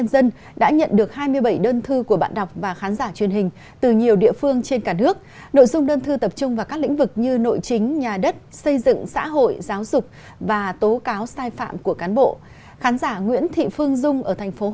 xin chào và hẹn gặp lại trong các bản tin tiếp theo